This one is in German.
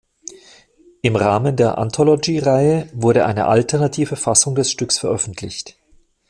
Im Rahmen der "Anthology"-Reihe wurde eine alternative Fassung des Stücks veröffentlicht.